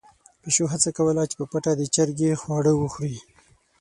پيشو هڅه کوله چې په پټه د چرګې خواړه وخوري.